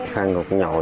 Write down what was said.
khoang một cái nhồi